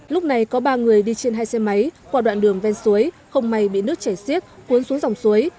lúc này có ba người đi trên hai xe máy qua đoạn đường ven suối không may bị nước chảy xiết cuốn xuống dòng suối